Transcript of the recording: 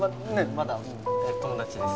まだお友達です。